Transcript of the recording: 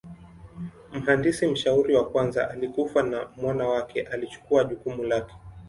Mhandisi mshauri wa kwanza alikufa na mwana wake alichukua jukumu lake.